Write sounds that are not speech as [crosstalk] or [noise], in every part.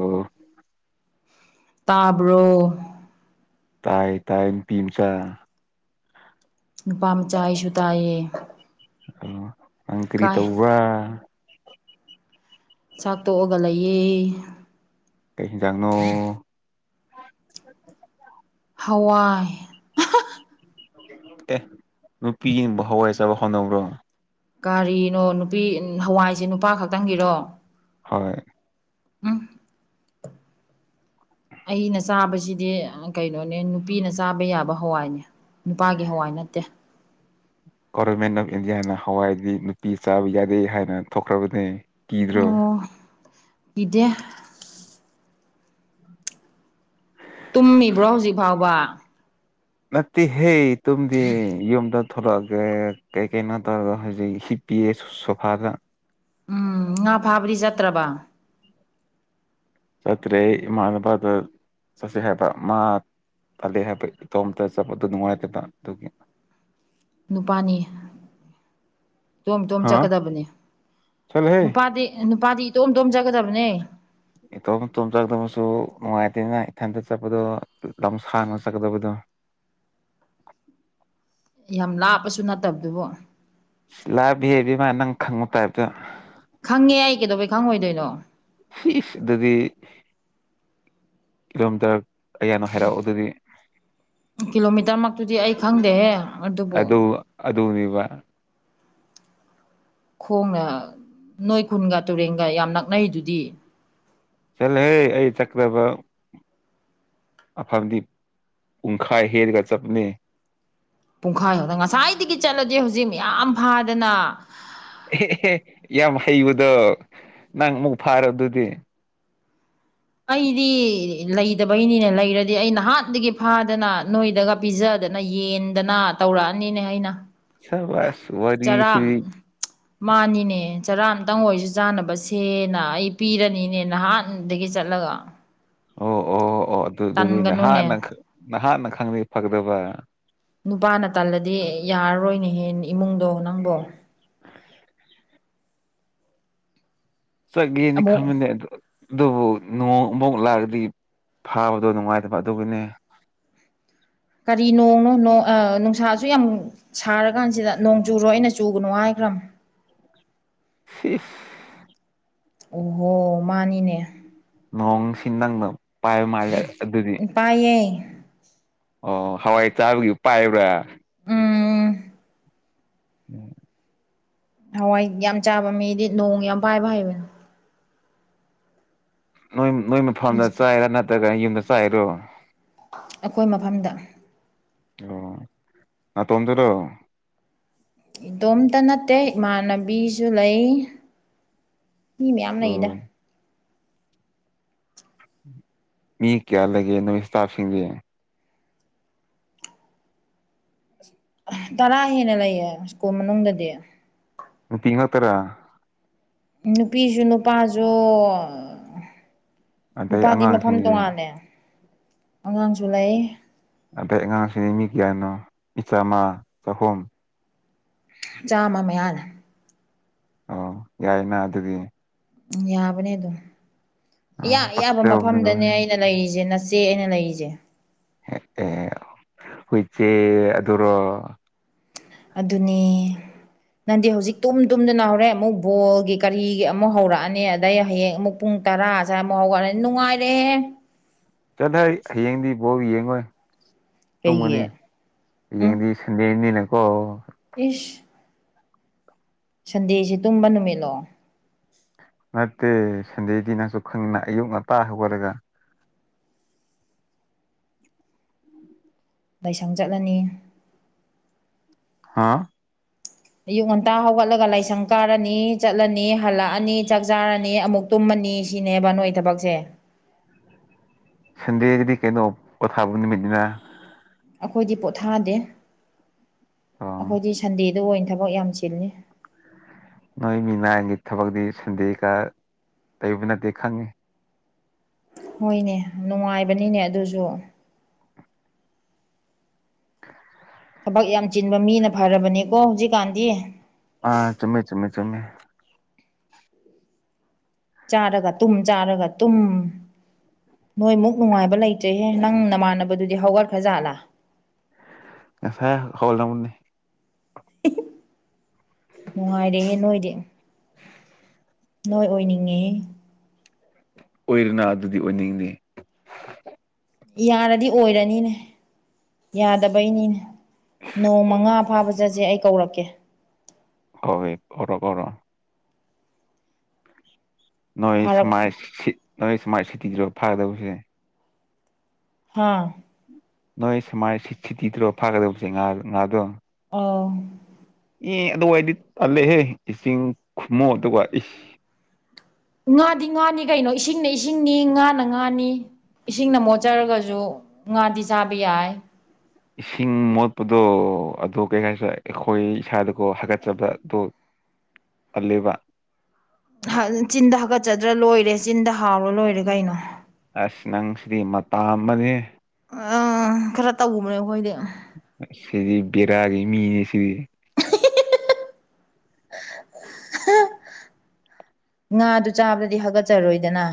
ꯑꯣ ꯇꯥꯕ꯭ꯔꯣ ꯇꯥꯏ ꯇꯥꯏ ꯄꯤꯝꯆꯥ ꯅꯨꯄꯥ ꯃꯆꯥ ꯑꯩꯁꯨ ꯇꯥꯏꯌꯦ ꯑ ꯑꯪ ꯀꯔꯤ ꯀꯥꯏ ꯇꯧꯕ ꯆꯥꯛ ꯇꯣꯛꯑꯒ ꯂꯩꯌꯦ ꯀꯩ ꯍꯖꯥꯡꯅꯣ ꯍꯋꯥꯏ ꯑꯦ ꯅꯨꯄꯤꯒꯤꯕꯨ ꯍꯋꯥꯏꯖꯥꯕ ꯍꯣꯠꯅꯕ꯭ꯔꯣ ꯀꯔꯤꯅꯣ ꯅꯨꯄꯤ ꯍꯋꯥꯏꯁꯦ ꯅꯨꯄꯥ ꯈꯛꯇꯪꯒꯤꯔꯣ ꯍꯣꯏ ꯎꯝ ꯑꯩꯅ ꯆꯥꯕꯁꯤꯗꯤ ꯀꯩꯅꯣꯅꯦ ꯅꯨꯄꯤꯅ ꯆꯥꯕ ꯌꯥꯕ ꯍꯋꯥꯏꯅꯦ ꯅꯨꯄꯥꯒꯤ ꯍꯋꯥꯏ ꯅꯠꯇꯦ ꯒꯣꯚꯔꯃꯦꯟ ꯑꯣꯐ ꯏꯟꯗꯤꯌꯥꯅ ꯍꯋꯥꯏꯗꯤ ꯅꯨꯄꯤ ꯆꯥꯕ ꯌꯥꯗꯦ ꯍꯥꯏꯅ ꯊꯣꯛꯈ꯭ꯔꯕꯅꯤ ꯀꯗ꯭ꯔꯣ ꯄꯤꯗꯦ ꯇꯨꯝꯃꯤꯕ꯭ꯔꯣ ꯍꯧꯖꯤꯛ ꯐꯥꯎꯕ ꯅꯠꯇꯦ ꯍꯦ ꯇꯝꯗꯤ ꯌꯨꯝꯗ ꯊꯣꯛꯂꯛꯑꯒꯦ ꯀꯩ ꯀꯩꯅꯣ ꯇꯧꯔꯒ ꯍꯧꯖꯤꯛ ꯄꯁ ꯁꯐꯒ ꯎꯝ ꯉꯥ ꯐꯥꯕꯗꯤ ꯆꯠꯇ꯭ꯔꯕ ꯆꯠꯇ꯭ꯔꯦ ꯏꯃꯥꯟꯅꯕꯗ ꯆꯠꯁꯦ ꯍꯥꯏꯕ ꯃꯥ ꯐꯗꯦ ꯍꯥꯏꯐꯦ ꯏꯇꯣꯝꯇ ꯆꯠꯄ ꯑꯗꯨ ꯅꯨꯡꯉꯥꯏꯇꯕ ꯑꯗꯨꯒꯤ ꯅꯨꯄꯥꯅꯤ ꯇꯣꯝ ꯇꯣꯝ ꯍꯥ ꯆꯠꯀꯗꯕꯅꯦ ꯆꯠꯂꯣꯍꯦ ꯅꯨꯄꯥꯗꯤ ꯅꯨꯄꯥꯗꯤ ꯇꯣꯝ ꯇꯣꯝꯖꯒꯗꯕꯅꯦ ꯏꯇꯣꯝ ꯏꯇꯣꯝ ꯆꯠꯀꯗꯕꯁꯨ ꯅꯨꯡꯉꯥꯏꯇꯦꯅ ꯏꯊꯟꯇ ꯆꯠꯄꯗꯣ ꯂꯝ ꯁꯥꯡꯅ ꯆꯠꯀꯗꯕꯗꯣ ꯌꯥꯝ ꯂꯥꯞꯄꯁꯨ ꯅꯠꯇꯕꯗꯨꯕꯣ ꯂꯥꯏꯕꯤ ꯍꯦꯕꯤ ꯃꯥ ꯅꯪ ꯈꯪꯕ ꯇꯥꯏꯕꯇꯣ ꯈꯪꯉꯦ ꯑꯩ ꯀꯩꯗꯧꯕꯩ ꯈꯪꯉꯣꯏꯗꯣꯏꯅꯣ ꯐꯁ ꯑꯗꯨꯗꯤ ꯀꯤꯂꯣꯃꯤꯇꯔ ꯀꯌꯥꯅꯣ ꯍꯥꯏꯔꯛꯑꯣ ꯑꯗꯨꯗꯤ ꯀꯤꯂꯣꯃꯤꯇꯔ ꯃꯛꯇꯨꯗꯤ ꯑꯩ ꯈꯪꯗꯦꯍꯦ ꯑꯗꯨꯕꯨ ꯑꯗ ꯑꯗꯅꯤꯕ ꯈꯣꯡꯅ ꯅꯣꯏ ꯀꯨꯟꯒ ꯇꯨꯔꯦꯟꯒ ꯌꯥꯝ ꯅꯛꯅꯩꯗꯨꯗꯤ ꯆꯜꯍꯦ ꯑꯩ ꯆꯀ꯭ꯔꯕ ꯑꯐꯟꯗꯤ ꯄꯨꯡꯈꯥꯏ ꯍꯦꯔꯒ ꯆꯞꯅ ꯄꯨꯡꯈꯥꯏꯍꯥꯎꯗꯅ ꯉꯁꯥꯏꯗꯒꯤ ꯆꯠꯂꯗꯤ ꯍꯧꯖꯤꯛ ꯃ ꯐꯥꯗꯅ ꯑꯦꯍꯦ ꯌꯥꯝ ꯍꯩꯕꯗꯣ ꯅꯪ ꯑꯃꯨꯛ ꯐꯥꯔꯕꯗꯨꯗꯤ ꯑꯩꯗꯤ ꯂꯩꯇꯕꯩꯅꯤꯅꯦ ꯂꯩꯔꯗꯤ ꯑꯩ ꯅꯍꯥꯟꯗꯒꯤ ꯐꯥꯗꯅ ꯅꯣꯏꯗꯒ ꯄꯤꯖ ꯑꯗꯨꯗꯅ ꯌꯦꯟꯗꯅ ꯇꯧꯔꯛꯑꯅꯤꯅꯦ ꯑꯩꯅ ꯁꯕꯥꯁ ꯆꯔꯥ ꯋꯥꯔꯤꯁꯤꯗꯤ ꯃꯥꯅꯤꯅꯦ ꯆꯔꯥ ꯑꯃꯇꯪ ꯑꯣꯏꯁꯨ ꯆꯥꯅꯕꯁꯦꯅ ꯑꯩ ꯄꯤꯔꯅꯤꯅꯦ ꯅꯍꯥꯟꯗꯒꯤ ꯆꯠꯂꯒ ꯑꯣ ꯑꯣ ꯑꯣ ꯑꯣ ꯑꯗꯨꯗꯨꯗꯤ ꯇꯟꯒꯅꯨꯅꯦ ꯅꯍꯥꯟꯅ ꯅꯍꯥꯟꯅ ꯈꯪꯗꯦ ꯐꯗꯕ ꯅꯨꯄꯥꯅ ꯇꯜꯂꯗꯤ ꯌꯥꯔꯔꯣꯏꯅꯦꯍꯦ ꯏꯃꯨꯡꯗꯣ ꯅꯪꯕꯣ ꯁ ꯌꯦꯅꯤ ꯑꯃꯨꯛ ꯈꯃꯅꯤ ꯑꯗꯨ ꯑꯗꯨꯕꯨ ꯅꯣꯡ ꯑꯃꯨꯛ ꯂꯥꯛꯑꯗꯤ ꯐꯥꯕꯗꯣ ꯅꯨꯡꯉꯥꯏꯇꯕ ꯑꯗꯨꯕꯨꯅꯦ ꯀ ꯅꯣꯡꯅ ꯅꯨꯡꯁꯥ ꯁꯨ ꯌꯥꯝ ꯁꯥꯔ ꯀꯥꯟꯁꯤꯗ ꯅꯣꯡ ꯆꯨꯔꯣ ꯑꯩꯅ ꯆꯨꯒꯅꯨ ꯍꯥꯏꯈ꯭ꯔꯕ ꯁꯤꯤꯁ ꯑꯣꯍꯣ ꯃꯥꯅꯤꯅꯦ ꯅꯣꯡ ꯁꯤꯟ ꯅꯪꯅ ꯄꯥꯏ ꯃꯥꯜꯂ ꯎ ꯄꯌꯦꯦ ꯑꯣ ꯍꯋꯥꯏ ꯆꯥꯕꯒꯤ ꯄꯥꯏꯕ꯭ꯔꯥ ꯎꯝ ꯎꯝ ꯍꯋꯥꯏ ꯌꯥꯝ ꯆꯥꯕ ꯃꯤꯗꯤ ꯅꯣꯡ ꯌꯥꯝ ꯄꯥꯏꯕ ꯍꯥꯏꯕꯅ ꯅꯣꯏ ꯅꯣꯏ ꯃꯐꯝꯗ ꯆꯥꯏꯔꯥ ꯅꯠꯇ꯭ꯔꯒꯅ ꯌꯨꯝꯗ ꯆꯥꯏꯔꯣ ꯑꯩꯈꯣꯏ ꯃꯐꯝꯗ ꯑꯣ ꯃꯥ ꯇꯣꯗꯔ ꯏꯗꯣꯝꯇ ꯅꯠꯇꯦ ꯏꯃꯥꯟꯅꯕꯤꯁꯨ ꯂꯩ ꯃꯤ ꯃꯌꯥꯝ ꯂꯩꯗ ꯑꯣ ꯃꯤ ꯀꯌꯥ ꯂꯩꯒꯦ ꯅꯣꯏ ꯏꯁꯇꯥꯐꯁꯤꯡꯒ ꯇꯔꯥ ꯍꯦꯟꯅ ꯂꯩꯌꯦ ꯁ꯭ꯀꯨꯜ ꯃꯅꯨꯡꯗꯗꯤ ꯅ ꯇꯔ ꯅꯨꯄꯤꯁꯨ ꯅꯨꯄꯥꯁꯨ ꯑꯗꯩ ꯅꯨꯄꯥꯗꯤ ꯃꯐꯝ ꯑꯉꯥꯡꯁꯤꯡꯗꯤ ꯇꯣꯉꯥꯜꯂꯦ ꯑꯉꯥꯡꯁꯨ ꯂꯩ ꯑꯗꯩ ꯑꯉꯥꯡꯁꯤꯗꯤ ꯃꯤ ꯀꯌꯥꯅꯣ ꯏꯆꯥ ꯑꯃ ꯆꯍꯨꯝ ꯆꯥꯃ ꯃꯌꯥꯅ ꯑꯣ ꯌꯥꯏꯅ ꯑꯗꯨꯗꯤ ꯎꯝ ꯌꯥꯕꯅꯦ ꯑꯗꯨꯝ ꯏꯌꯥ ꯑ ꯑꯌꯥꯕ ꯄꯛꯆꯕꯅ ꯃꯐꯝꯗꯅꯦ ꯂꯣꯏꯔꯦ ꯑꯩꯅ ꯂꯩꯔꯤꯁꯦ ꯅ ꯆꯦ ꯑꯩꯅ ꯂꯩꯔꯤꯁꯦ ꯑꯦ ꯍꯣꯏꯆꯦꯔꯣ ꯑꯗꯨꯅꯤ ꯅꯪꯗꯤ ꯍꯧꯖꯤꯛ ꯇꯨꯝ ꯇꯨꯝꯗꯅꯅꯥꯍꯧꯔꯦ ꯑꯃꯨꯛ ꯕꯣꯜꯒꯤ ꯀꯔꯤꯒꯤ ꯑꯃꯨꯛ ꯍꯧꯔꯛꯑꯅꯤ ꯑꯗꯩ ꯍꯌꯦꯡ ꯑꯃꯨꯛ ꯄꯨꯡ ꯄꯨꯡ ꯇꯔꯥꯥꯁꯨꯛ ꯍꯧꯒꯠꯂꯅꯤ ꯅꯨꯡꯉꯥꯏꯔꯦ ꯆꯠ ꯍꯥꯏ ꯍꯌꯦꯡꯗꯤ ꯕꯥꯎ ꯌꯦꯡꯉꯣꯏ ꯇꯨꯝꯃꯅꯤ ꯀꯩꯒꯤ ꯌꯦꯡꯗꯤ ꯁꯟꯗꯦꯅꯤꯅꯀꯣ ꯏ ꯁꯟꯗꯦꯁꯤ ꯇꯨꯝꯕ ꯅꯨꯃꯤꯠꯂꯣ ꯅꯠꯇꯦ ꯁꯟꯗꯦꯗꯤ ꯅꯪꯁꯨ ꯈꯪꯉꯤꯅ ꯑꯌꯨꯛ ꯉꯟꯇꯥ ꯍꯧꯒꯔꯒ ꯂꯥꯏꯁꯪ ꯆꯠꯂꯅꯤ ꯍꯥꯥ ꯑꯌꯨꯛ ꯉꯟꯇꯥ ꯍꯧꯒꯠꯂꯒ ꯂꯥꯏꯁꯪ ꯀꯥꯔꯅꯤ ꯆꯠꯂꯅꯤ ꯍꯜꯂꯛꯑꯅꯤ ꯆꯥꯛ ꯆꯥꯔꯅꯤ ꯑꯃꯨꯛ ꯇꯨꯝꯃꯅꯤ ꯑꯅꯤ ꯁꯤꯅꯦꯕ ꯅꯣꯏ ꯊꯕꯛꯁꯦ ꯁꯟꯗꯦꯒꯤꯗꯤ ꯀꯩꯅꯣ ꯄꯊꯥꯕ ꯅꯨꯃꯤꯠꯅꯤꯅ ꯑꯩꯈꯣꯏꯗꯤ ꯄꯣꯊꯥꯗꯦ ꯑꯣ ꯑꯩꯈꯣꯏꯗꯤ ꯁꯟꯗꯦꯗ ꯑꯣꯏꯅ ꯊꯕꯛ ꯌꯥꯝ ꯆꯤꯜꯂꯤ ꯅꯣꯏ ꯃꯤꯅꯥꯏꯒꯤ ꯊꯕꯛꯇꯤ ꯁꯟꯗꯦꯀ ꯇꯩꯧꯕ ꯅꯠꯇꯦ ꯈꯪꯉꯤ ꯍꯣꯏꯅꯦ ꯅꯨꯡꯉꯥꯏꯕꯅꯤꯅꯦ ꯑꯗꯨꯁꯨ ꯊꯕꯛ ꯌꯥꯝ ꯆꯤꯟꯕ ꯃꯤꯅ ꯐꯔꯕꯅꯦꯀꯣ ꯍꯧꯖꯤꯛꯀꯥꯟꯗꯤ ꯑꯥ ꯆꯨꯝꯃꯦꯃꯦ ꯆꯨꯝꯃꯦ ꯆꯨꯝꯃꯦ ꯆꯥꯔꯒ ꯇꯨꯝ ꯆꯥꯔꯒ ꯇꯨꯝ ꯅꯣꯏꯃꯨꯛ ꯅꯨꯡꯉꯥꯏꯕ ꯂꯩꯇ꯭ꯔꯦꯍꯦ ꯅꯪ ꯅꯃꯥꯟꯅꯕꯗꯨꯗꯤ ꯍꯧꯒꯠꯈ꯭ꯔꯖꯥꯠꯂꯥ ꯉꯁꯦ ꯍꯜꯅꯃꯅꯤ ꯅꯨꯡꯉꯥꯏꯔꯦꯍꯦ ꯅꯣꯏꯗꯤ ꯅꯣꯏ ꯑꯣꯏꯅꯤꯡꯉꯤ ꯑꯣꯏꯔꯅ ꯑꯗꯨꯗꯤ ꯑꯣꯏꯅꯤꯡꯉꯦ ꯌꯥꯔꯗꯤ ꯑꯣꯏꯔꯅꯤꯅꯦ ꯌꯥꯗꯕꯩꯅꯤꯅꯦ ꯅꯣꯡ ꯃꯉꯥ ꯐꯥꯕ ꯆꯠꯁꯦ ꯑꯩ ꯀꯧꯔꯛꯀꯦ ꯍꯣꯏ ꯄꯔꯣ ꯀꯔꯣ ꯅꯣꯏ ꯐꯥꯔꯛ ꯁꯨꯃꯥꯏ ꯅꯣꯏ ꯁꯨꯃꯥꯏꯅ ꯁꯤꯠꯇꯤꯗ꯭ꯔꯣ ꯐꯥꯒꯗꯕꯁꯦ ꯍꯥꯥ ꯅꯣꯏ ꯁꯨꯃꯥꯏꯖ ꯁꯤꯇꯤꯗ꯭ꯔꯣ ꯐꯥꯒꯗꯕꯁꯦ ꯉꯥ ꯉꯥꯗꯣ ꯑꯣ ꯏ ꯑꯗꯨꯋꯥꯏꯗꯤ ꯇꯥꯜꯂꯛꯍꯦ ꯏꯁꯤꯡ ꯈꯨꯨꯝꯃꯨ ꯑꯗꯨꯒ ꯉꯥꯗꯤ ꯉꯥꯅꯤ ꯀꯩꯅꯣ ꯏꯁꯤꯡꯅ ꯏꯁꯤꯡꯅꯤ ꯉꯥꯅ ꯉꯥꯅꯤ ꯏꯁꯤꯡꯅ ꯃꯣꯠꯆꯔꯒꯁꯨ ꯉꯥꯗꯤ ꯆꯥꯕ ꯌꯥꯏ ꯏꯁꯤꯡ ꯃꯣꯠꯄꯗꯣ ꯑꯗꯨ ꯀꯩ ꯍꯥꯏꯥꯏꯁꯨ ꯑꯩꯈꯣꯏ ꯏꯁꯥꯗꯀꯣ ꯍꯥꯀꯠꯆꯕꯗꯣ ꯑꯂꯕ ꯆꯤꯟꯗ ꯍꯥꯀꯠꯆꯗ꯭ꯔꯥ ꯂꯣꯏꯔꯦ ꯆꯤꯟꯗ ꯍꯥꯎꯔ ꯂꯣꯏꯔꯦ ꯀꯩꯅꯣ ꯑꯁ ꯅꯪ ꯁ꯭ꯔꯤ ꯃꯇꯇꯥꯥꯝꯕꯅꯦ ꯑꯥ ꯈꯔ ꯇꯅꯦ ꯑꯩꯈꯣꯏꯗꯤ ꯁꯤꯗꯤ ꯕꯔꯥꯑꯒꯦ ꯃꯤꯅꯦꯁꯤꯗꯤ ꯍ ꯉꯥꯗꯨ ꯆꯥꯕꯗꯗꯤ ꯍꯥꯒꯠꯆꯔꯣꯏꯗꯅ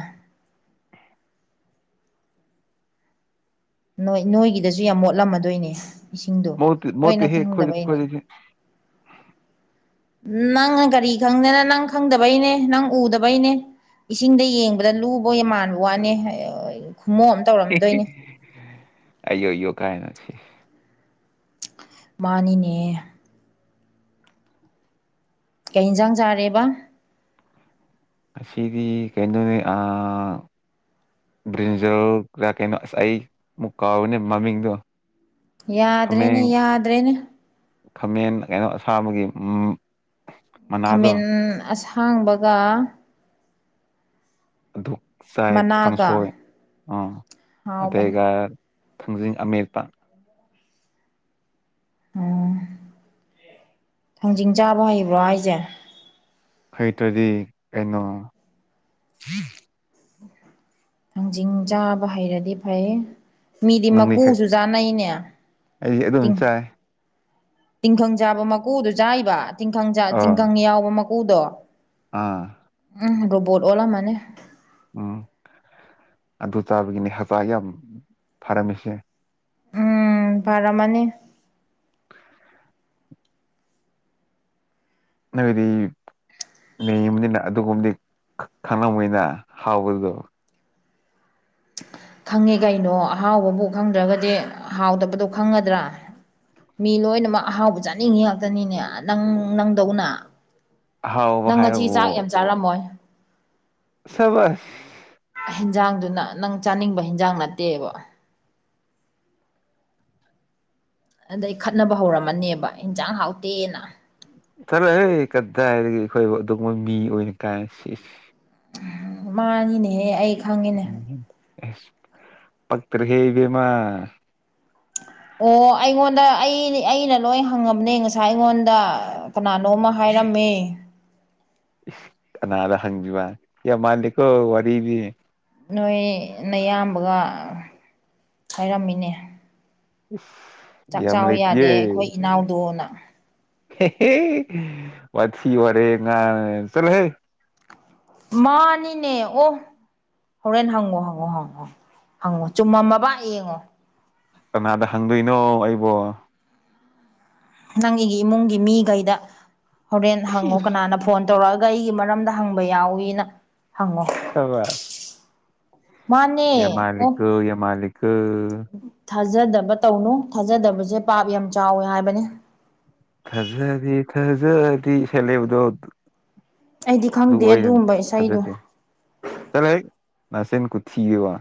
ꯅꯣꯏ ꯅꯣꯏꯒꯤꯗꯁꯨ ꯌꯥꯝ ꯃꯣꯠꯂꯝꯃꯗꯣꯏꯅꯦ ꯏꯁꯤꯡꯗꯣ ꯃꯣꯠꯇꯤ ꯂꯣꯏꯅ ꯃꯣꯠꯇꯦꯍꯦ ꯑꯩꯈꯣꯏ ꯈꯪꯗꯕ ꯑꯅꯦ ꯑꯩꯈꯣꯏꯗꯗꯤ ꯅꯪꯅ ꯒꯥꯔꯤ ꯈꯪꯗꯦꯅ ꯅꯪ ꯈꯪꯗꯕꯩꯅꯦ ꯅꯪ ꯎꯗꯕꯩꯅꯦ ꯏꯁꯤꯡꯗ ꯌꯦꯡꯕꯗ ꯂꯨꯕꯧ ꯌꯥꯝ ꯃꯥꯟꯕ ꯋꯥꯅꯦ ꯈꯨꯝꯃꯣꯛ ꯑꯃ ꯇꯧꯔꯝꯗꯣꯏꯅꯦ ꯑꯌꯣ ꯑꯌꯣ ꯀꯥꯏ ꯅ ꯃꯥꯅꯤꯅꯦ ꯀꯩ ꯏꯟꯁꯥꯡ ꯆꯥꯔꯦꯕ ꯑꯁꯤꯗꯤ ꯀꯩꯅꯩꯅꯣꯅꯤ ꯕ꯭ꯔꯤꯟꯖꯔ ꯀꯩꯅꯣ ꯑꯁ ꯑꯩ ꯑꯃꯨꯛ ꯀꯥꯎꯅꯦ ꯃꯃꯤꯡꯗꯣ ꯌꯥꯗ꯭ꯔꯦꯅꯦ ꯈꯥꯃꯦꯟ ꯌꯥꯗ꯭ꯔꯦꯅꯦ ꯈꯥꯃꯦꯟ ꯀꯩꯅꯣ ꯑꯁꯥꯕꯒꯤ ꯃꯅꯥꯗꯣ ꯈꯥꯃꯦꯟ ꯑꯁꯥꯡꯕꯒ ꯗꯨ ꯆꯥꯏ ꯍꯥꯡ ꯃꯅꯥꯒ ꯁꯣꯏ ꯑ ꯍꯥꯎꯕꯅꯦ ꯑꯒ ꯊꯥꯡꯖꯤꯡ ꯑꯃꯔꯄ ꯎꯝ ꯊꯥꯡꯖꯤꯡ ꯆꯥꯕ ꯍꯩꯕ꯭ꯔꯣ ꯑꯩꯁꯦ ꯍꯩ ꯇꯗꯤ ꯀꯩꯅꯣ ꯊꯥꯡꯖꯤꯡ ꯆꯥꯕ ꯍꯩꯔꯗꯤ ꯐꯩ ꯃꯤꯗꯤ ꯅꯪꯗꯤ ꯍꯩ ꯃꯀꯨꯁꯨ ꯆꯥꯅꯩꯅꯦ ꯑꯩꯗꯤ ꯑꯗꯨꯝ ꯇꯤꯡ ꯆꯥꯏ ꯇꯤꯡꯈꯪ ꯆꯥꯕ ꯃꯀꯨꯗꯨꯣ ꯆꯥꯕ ꯇꯤꯡꯈꯪ ꯑꯥ ꯇꯤꯡꯈꯪ ꯌꯥꯎꯕ ꯃꯀꯨꯗꯣ ꯑꯥ ꯎꯝ ꯔꯣꯕꯣꯠ ꯑꯣꯜꯂꯝꯃꯅꯤ ꯎꯝ ꯑꯗꯨ ꯆꯥꯕꯒꯤꯅꯤ ꯍꯇꯥ ꯌꯥꯝ ꯐꯔꯝꯃꯤꯁꯦ ꯎꯝ ꯐꯔꯃꯅꯤ ꯅꯗꯤ ꯅꯕꯅꯤꯅ ꯑꯗꯨꯒꯨꯝꯕꯗꯤ ꯈꯪꯉꯝꯅꯤꯅ ꯍꯥꯎꯕꯗꯣ ꯈꯪꯉꯤ ꯀꯩꯅꯣ ꯑꯍꯥꯎꯕꯕꯨ ꯈꯪꯗ꯭ꯔꯒꯗꯤ ꯍꯥꯎꯗꯕꯗꯣ ꯈꯪꯒꯗ꯭ꯔꯥ ꯃꯤ ꯂꯣꯏꯅꯃꯛ ꯑꯍꯥꯎꯕ ꯆꯥꯅꯤꯡꯉꯤ ꯉꯥꯛꯇꯅꯤꯅꯦ ꯅꯪ ꯅꯪꯗꯧꯅ ꯑꯍꯥꯎꯕ ꯅꯪ ꯉꯁꯤ ꯍꯥꯏꯕꯕꯨ ꯆꯥꯛ ꯌꯥꯝ ꯆꯥꯔꯝꯃꯣꯏ ꯁꯕꯁ ꯍꯤꯟꯖꯥꯡꯗꯨꯅ ꯅꯪ ꯆꯥꯅꯤꯡꯕ ꯍꯤꯟꯖꯥꯡ ꯅꯠꯇꯦꯕ ꯑꯗꯩ ꯈꯠꯅꯕ ꯍꯧꯔꯝꯃꯅꯦꯕ ꯏꯟꯁꯥꯡ ꯍꯥꯎꯇꯦꯅ ꯐꯔꯦ ꯍ ꯀꯗꯥꯏꯗꯒꯤ ꯑꯩꯈꯣꯏ ꯑꯗꯨꯕ ꯃꯤ ꯑꯣꯏꯅ ꯀꯥꯏꯅ ꯁꯤ ꯃꯥꯅꯤꯅꯦꯍꯦ ꯑꯩ ꯈꯪꯉꯤꯅꯦ ꯄꯛꯇ꯭ꯔ ꯍꯦ ꯏꯕꯃ ꯑꯣ ꯑꯩꯉꯣꯟꯗ ꯑꯩ ꯑꯩꯅ ꯂꯣꯏ ꯍꯪꯉꯕꯅꯦ ꯉꯁꯥꯏ ꯑꯩꯉꯣꯟꯗ ꯀꯅꯥꯅꯣ ꯑꯃ ꯍꯥꯏꯔꯝꯃꯦ ꯅꯗ ꯍꯪꯖꯕ ꯌꯦ ꯃꯥꯜꯜꯂꯤꯀꯣ ꯋꯥꯔꯤꯔꯤꯕꯤ ꯅꯣꯏ ꯅꯌꯥꯝꯕꯒ ꯍꯥꯏꯔꯝꯃꯤꯅꯦ ꯌꯥꯝ ꯆꯥꯛ ꯌꯥꯝ ꯑꯃ ꯆꯥꯎ ꯂꯩꯇꯦ ꯌꯥꯗꯦ ꯑꯩꯈꯣꯏ ꯏꯅꯥꯎꯗꯣꯅ ꯍ ꯄꯊꯤ ꯋꯥꯔꯦ ꯉ ꯆꯂ ꯍꯦ ꯃꯥꯅꯤꯅꯦ ꯑꯣ ꯍꯣꯔꯦꯟ ꯍꯪꯉꯣ ꯍꯪꯉꯣ ꯍꯪꯉꯣ ꯍꯪꯉꯣ ꯆꯨꯝꯃꯝꯃꯕ ꯌꯦꯡꯉꯣ ꯀꯅꯥꯗ ꯍꯪꯗꯣꯏꯅꯣ ꯑꯩꯕꯣ ꯅꯪ ꯑꯩꯒꯤ ꯏꯃꯨꯡꯒꯤ ꯃꯤꯈꯩꯗ ꯍꯣꯔꯦꯟ ꯍꯪꯉꯨ ꯀꯅꯥꯅ ꯐꯣꯟ ꯇꯧꯔꯛꯑꯒ ꯑꯩꯒꯤ ꯃꯔꯝꯗ ꯍꯪꯕ ꯌꯥꯎꯋꯤꯅ ꯍꯪꯉꯣ ꯍꯋꯥ ꯃꯥꯅꯦ ꯑꯣ ꯌꯥꯝ ꯃꯥꯜꯂꯤꯀꯣ ꯊꯥꯖꯗꯕ ꯇꯧꯅꯨ ꯊꯥꯖꯗꯕꯁꯦ ꯄꯥꯞ ꯌꯥꯝ ꯆꯥꯎꯋꯦ ꯍꯥꯏꯕꯅꯤ ꯊꯖꯗꯤ ꯊꯖꯗꯤ ꯁꯦꯂꯕꯗꯣ ꯑꯩꯗꯤ ꯑꯗꯨ ꯈꯪꯗꯦ ꯑꯗꯨꯒꯨꯝꯕ ꯏꯁꯩꯗꯣ ꯊꯥꯖꯗꯦ ꯆ ꯅꯁꯦꯟ ꯈꯨꯊꯣ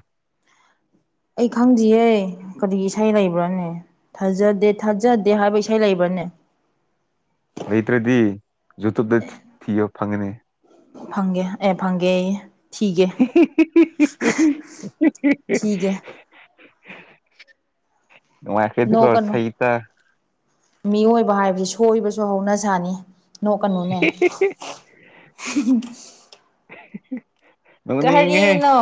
ꯑꯩ ꯈꯪꯗꯌꯦꯦ ꯀꯔꯤ ꯏꯁꯩ ꯂꯩꯕ꯭ꯔꯥꯅꯦ ꯊꯥꯖꯗꯦ ꯊꯥꯖꯗꯦ ꯍꯥꯏꯕ ꯏꯁꯩ ꯂꯩꯕ꯭ꯔꯥ ꯀ ꯂꯩꯇ꯭ꯔꯗꯤ ꯌꯨꯇꯕꯇ ꯊꯤꯌꯣ ꯐꯪꯒꯅꯤ ꯐꯪꯒꯦ ꯑꯦ ꯐꯪꯒꯦ ꯑꯩ ꯊꯤꯀ ꯊꯒꯦ ꯃꯨꯡꯈꯦꯗꯀ ꯅꯣꯛꯀꯅꯨ ꯁ ꯏꯠꯇ ꯃꯤꯑꯣꯏꯕ ꯍꯥꯏꯕꯕꯁꯤ ꯁꯣꯏꯕꯁꯨ ꯍꯧꯅ ꯁꯥꯥꯅꯤ ꯅꯣ ꯀꯅꯨꯅꯦ ꯅꯣꯛꯅꯤꯡꯉꯦꯍꯦ ꯀꯔꯤꯅꯣ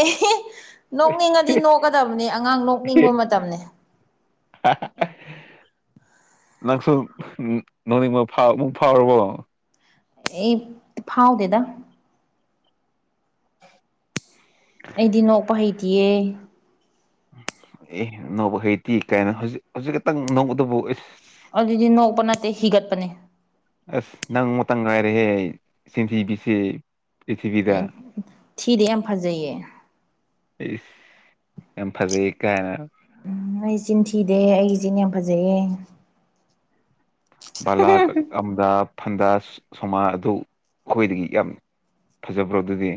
ꯑꯦ ꯅꯣꯛꯅꯤꯡꯉꯗꯤ ꯅꯣꯛꯀꯗꯕꯅꯤ ꯑꯉꯥꯡ ꯅꯣꯛꯅꯤꯡꯕ ꯃꯇꯝꯅꯦ ꯑ ꯂꯥꯛꯁꯣ ꯅꯅꯤ ꯐꯥꯎ ꯐꯥꯎꯔꯕꯣ ꯑꯦ ꯐꯥꯎꯥꯎꯗꯦꯗ [unintelligible] ꯑꯩꯗꯤ ꯅꯣꯛꯄ ꯍꯩꯇꯌꯦ ꯑꯦ ꯅꯧꯕ ꯍꯩꯇꯤ ꯀꯥꯏꯅ ꯍꯧꯖꯤꯛ ꯍꯧꯖꯤꯛ ꯈꯛꯇꯪ ꯅꯣꯡꯧꯕꯇꯕꯨ ꯑꯦꯁ ꯑꯗꯨꯗꯤ ꯅꯣꯛꯄ ꯅꯠꯇꯦ ꯍꯤꯒꯠꯄꯅꯦ ꯑꯁ ꯅꯪ ꯑꯃꯨꯇꯪ ꯉꯥꯏꯔꯦꯍꯦ ꯁꯟꯊꯤꯕꯤꯁꯤꯦ ꯊꯤꯗꯤꯦ ꯑꯝꯐꯥꯖꯌꯦ ꯑꯩ ꯌꯥꯝ ꯐꯖꯩ ꯀꯥꯏꯦꯅ ꯑꯩ ꯏꯆꯤꯟ ꯊꯤꯗꯦ ꯑꯩꯒꯤ ꯏꯆꯤꯟ ꯌꯥꯝ ꯐꯖꯩꯌꯦꯦ [unintelligible] ꯐꯟꯗꯥ ꯁꯣꯃꯥ ꯑꯗꯨ ꯑꯩꯈꯣꯏꯗꯒꯤ ꯌꯥꯝ ꯐꯖꯕ꯭ꯔꯣ ꯑꯗꯨꯗꯤ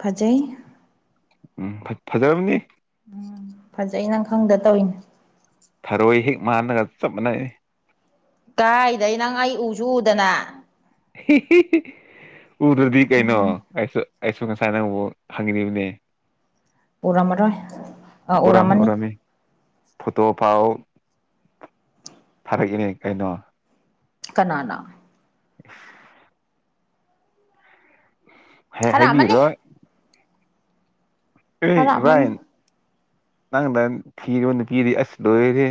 ꯐꯖꯩ ꯎꯝ ꯐꯖꯔꯝꯅꯤ ꯎꯝ ꯐꯖꯩ ꯅꯪ ꯈꯪꯗ ꯇꯧꯏꯅꯦ ꯊꯔꯣꯏ ꯍꯦꯛ ꯃꯥꯟꯂꯒ ꯆꯞ ꯃꯥꯟꯅꯩ ꯀꯥꯏꯗꯩ ꯅꯪ ꯑꯩ ꯎꯖꯨ ꯎꯗꯅ ꯎꯗ꯭ꯔꯗꯤ ꯀꯩꯅꯣ ꯑꯩꯁꯨ ꯑꯩꯁꯨ ꯉꯁꯥꯏ ꯅꯪꯕꯨ ꯍꯪꯅꯤꯡꯉꯤꯕꯅꯦ ꯎꯔꯝꯃꯔꫭꯏ ꯎꯔꯝꯃꯤ ꯎꯔꯝꯃꯤ ꯐꯣꯇꯣ ꯄꯥꯎ ꯊꯥꯔꯛꯏꯅꯦ ꯀꯩꯅꯣ ꯀꯅꯥꯅ [inaudible] ꯊꯥꯔꯛꯑꯝꯃꯅꯤ ꯍꯥꯏꯕꯤꯔꯣꯏ ꯑꯦ ꯏꯚꯥꯏ ꯊꯥꯔꯛꯑꯝꯃꯅꯤ ꯅꯪꯅ ꯊꯤꯕ ꯅꯨꯄꯤꯗꯤ ꯑꯁ ꯂꫭꯏꯔꯦ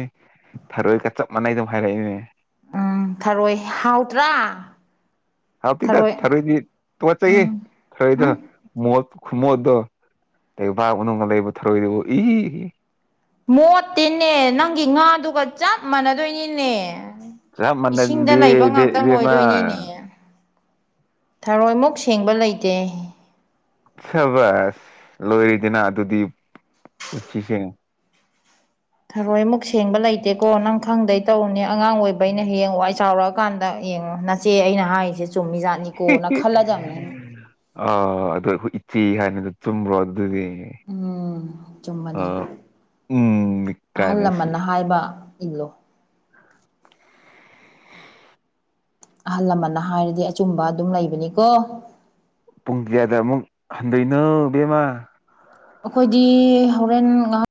ꯊꯔꯣꯏꯒ ꯆꯞ ꯃꯥꯟꯅꯩ ꯑꯗꯨꯝ ꯍꯥꯏꯔꯛꯏꯅꯦ ꯎꯝ ꯐꯔꯣꯏ ꯍꯥꯎꯇ꯭ꯔ ꯍꯥꯎ ꯇꯤꯗ ꯊꯔꫭꯏꯗꯤ ꯇꯨꯒꯠꯆꯩꯌꯦ ꯎꯝ ꯊꯔꫭꯏꯗꫭ ꯎꯝ ꯃꫭꯠ ꯈꯨꯃꯣꯠꯗꯣ ꯇꯩꯕꯥꯛ ꯃꯅꯨꯡꯒ ꯂꯩꯕ ꯊꯧꯔꯣꯏꯗꯨꯕꯨ ꯏ ꯏ ꯃꯣꯠꯇꯦꯅꯦ ꯅꯪꯒꯤ ꯉꯥꯗꯨꯒ ꯆꯞ ꯃꯥꯟꯅꯗꯣꯏꯅꯤꯅꯦ ꯆꯞ ꯏꯁꯤꯡꯗ ꯃꯥꯟꯅꯗꯦ ꯂꯩꯕ ꯏꯕꯦ ꯉꯥꯛꯇꯪ ꯏꯕꯦꯝꯃ ꯑꯣꯏꯗꯣꯏꯅꯤꯅꯦ ꯊꯔꯣꯏ ꯃꯨꯛ ꯁꯦꯡꯕ ꯂꯩꯇꯦ ꯁꯥꯕꯁ ꯂꯣꯏꯔꯤꯗꯅ ꯑꯗꯨꯗꯤ ꯄꯨꯁꯤꯁꯦ ꯊꯔꯣꯏꯃꯨꯛ ꯁꯦꯡꯕ ꯂꯩꯇꯦꯀꯣ ꯅꯪ ꯈꯪꯗꯩ ꯇꯧꯔꯤꯅꯦ ꯑꯉꯥꯡ ꯑꯣꯏꯕꯩꯅ ꯍꯌꯦꯡ ꯋꯥꯎꯔꯒ ꯀꯥꯟꯗ ꯌꯦꯡꯉꯣ ꯅꯆꯦ ꯑꯩꯅ ꯍꯥꯏꯔꯤꯁꯦ ꯆꯨꯝꯃꯤꯖꯥꯠꯅꯤꯀꯣꯅ ꯈꯜꯂꯗꯕꯅꯤ ꯑ ꯑꯗꯨ ꯍꫭꯏ ꯏꯆꯦ ꯍꯥꯏꯅꯤꯗ ꯆꯨꯝꯕ꯭ꯔꯣ ꯑꯗꯨꯗꯤ ꯎꯝ ꯆꯨꯝꯃꯅꯤ ꯑꯥ ꯎꯝ ꯑꯍꯜ ꯀꯥꯏꯅ ꯁꯤ ꯂꯃꯟꯅ ꯍꯥꯏꯕ ꯏꯟꯂꯨ ꯑꯍꯜ ꯂꯃꯟꯅ ꯍꯥꯏꯔꯗꯤ ꯑꯆꯨꯝꯕ ꯑꯗꯨꯝ ꯂꯩꯕꯅꯤꯀꯣ ꯄꯨꯡ ꯀꯌꯥꯗ ꯑꯃꯨꯛ ꯍꯟꯗꯣꯏꯅꯣꯕꯦꯝꯃ ꯑꯩꯈꯣꯏꯗꯤ ꯍꯣꯔꯦꯟ ꯉꯥꯏꯍꯥꯛ